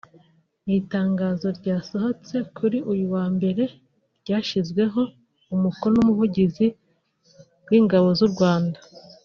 Mu itangazo ryasohotse kuri uyu wa mbere ryashyizweho umukono n’umuvuguzi w’ingabo z’u Rwanda